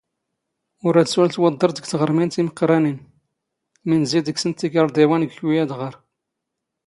ⵓⵔ ⴰⴷ ⵙⵓⵍ ⵜⵡⴹⴹⵕⴷ ⴳ ⵜⵖⵔⵎⵉⵏ ⵜⵉⵎⵇⵇⵔⴰⵏⵉⵏ, ⵎⵉⵏⵣⵉ ⴷⴳⵙⵏⵜ ⵜⵉⴽⴰⵕⴹⵉⵡⵉⵏ ⴳ ⴽⵓ ⴰⴷⵖⴰⵔ.